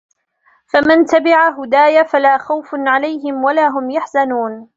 فَمَنْ تَبِعَ هُدَايَ فَلَا خَوْفٌ عَلَيْهِمْ وَلَا هُمْ يَحْزَنُونَ